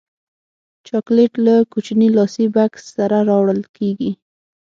چاکلېټ له کوچني لاسي بکس سره راوړل کېږي.